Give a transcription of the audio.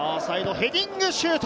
ヘディングシュート。